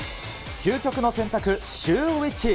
究極の選択、シューＷｈｉｃｈ。